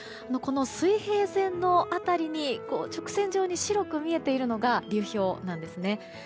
この水平線の辺りに直線状に白く見えているのが流氷なんですね。